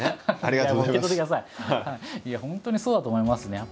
いや本当にそうだと思いますね。